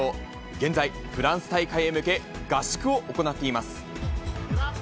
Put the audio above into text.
現在、フランス大会へ向け、合宿を行っています。